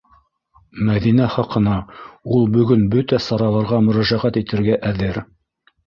Мәҙинә хаҡына ул бөгөн бөтә сараларға мөрәжәғәт итергә әҙер.